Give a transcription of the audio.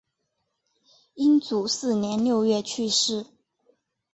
英祖四年六月去世。